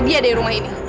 pak usir dia dari rumah ini